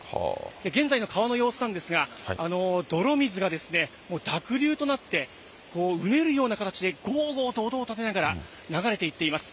現在の川の様子なんですが、泥水がもう濁流となって、うねるような形で、ごーごーと音を立てながら流れていっています。